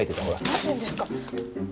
何するんですか。